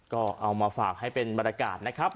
ก็เอามาฝากให้เป็นบรรยากาศนะครับ